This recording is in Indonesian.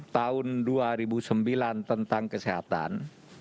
tahun dua ribu sembilan tentang kesehatan